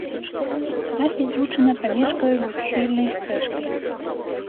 Дахі злучаныя прамежкавай двухсхільнай стрэшкай.